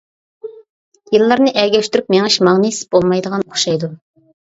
يىللارنى ئەگەشتۈرۈپ مېڭىش ماڭا نېسىپ بولمايدىغان ئوخشايدۇ.